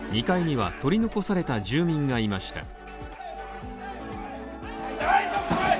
２階には、取り残された住民がいました。